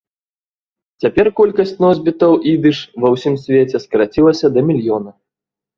Цяпер колькасць носьбітаў ідыш ва ўсім свеце скарацілася да мільёна.